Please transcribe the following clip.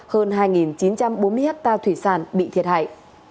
hơn hai chín trăm bốn mươi hectare thủy sản bị thiệt hại